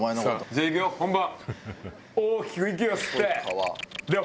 じゃあいくよ本番。